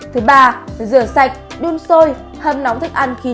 thứ ba rửa sạch đun sôi hâm nóng thức ăn khi chế biến